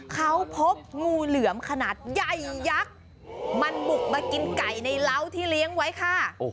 เขาพบงูเหลือมขนาดใหญ่ยักษ์มันบุกมากินไก่ในเล้าที่เลี้ยงไว้ค่ะ